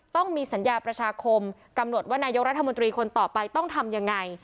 ต้องมีสัญญาประชาคมกำหนดว่านายกรัฐมนตรีคนต่อไปต้องทำยังไง